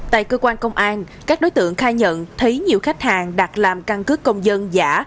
tại cơ quan công an các đối tượng khai nhận thấy nhiều khách hàng đặt làm căn cứ công dân giả